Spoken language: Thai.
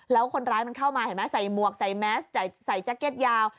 แล้วคนร้ายมันเข้ามาเห็นไหมใส่หมวกใส่แมสใส่แจ็คเก็ตยาว